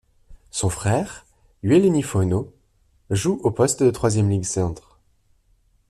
Son frère, Ueleni Fono, joue au poste de troisième ligne centre.